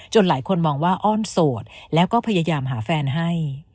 หลายคนมองว่าอ้อนโสดแล้วก็พยายามหาแฟนให้